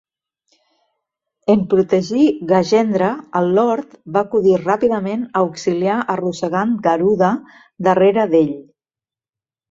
En protegir Gajendhra, el lord va acudir ràpidament a auxiliar arrossegant Garuda darrere d'Ell.